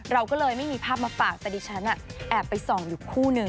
เราก็เลยไม่มีภาพมาฝากแต่ดิฉันแอบไปส่องอยู่คู่หนึ่ง